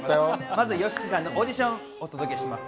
まず、ＹＯＳＨＩＫＩさんのオーディションをお届けします。